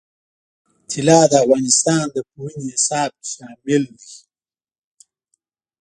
طلا د افغانستان د پوهنې نصاب کې شامل دي.